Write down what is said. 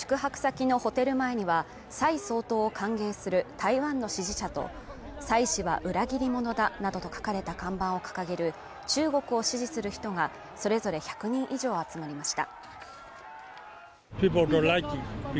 宿泊先のホテル前には蔡総統を歓迎する台湾の支持者と蔡氏は裏切り者だなどと書かれた看板を掲げる中国を支持する人がそれぞれ１００人以上集まりました。